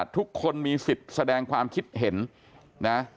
ทุกคนมีสิทธิ์แสดงความคิดเห็นนะ